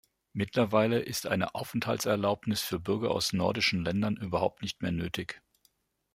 Mittlerweile ist eine Aufenthaltserlaubnis für Bürger aus nordischen Ländern überhaupt nicht mehr nötig.